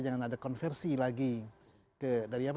jangan ada konversi lagi ke dari mana